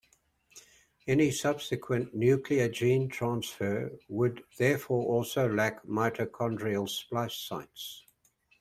Any subsequent nuclear gene transfer would therefore also lack mitochondrial splice sites.